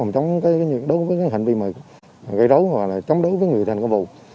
đối với hành vi gây rấu hoặc chống đối với người thành công vụ